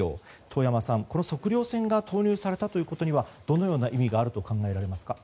遠山さん、この測量船が投入されたことにはどのような意味があるとお考えですか？